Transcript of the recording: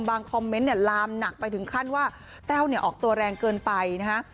คอมเมนต์เนี่ยลามหนักไปถึงขั้นว่าแต้วเนี่ยออกตัวแรงเกินไปนะฮะ